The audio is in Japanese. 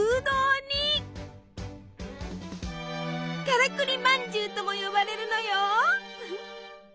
「からくりまんじゅう」とも呼ばれるのよ。